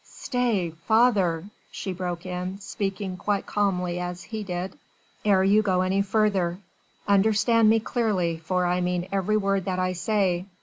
"Stay, father," she broke in, speaking quite as calmly as he did, "ere you go any further. Understand me clearly, for I mean every word that I say.